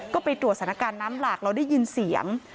ก็ไปตรวจสถานการณ์น้ำหลากเราได้ยินเสียง